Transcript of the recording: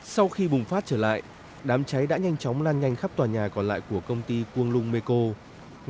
sau khi bùng phát trở lại đám cháy đã nhanh chóng lan nhanh khắp tòa nhà còn lại của công ty konglung mekong